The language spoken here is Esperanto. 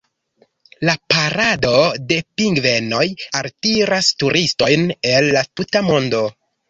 La parado de pingvenoj altiras turistojn el la tuta mondo.